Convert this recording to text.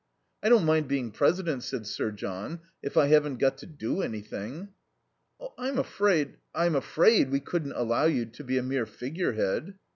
"I don't mind being president," said Sir John, "if I haven't got to do anything." "I'm afraid I'm afraid we couldn't allow you to be a mere figurehead."